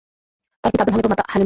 তার পিতা আব্দুল হামিদ ও মাতা হালিমা।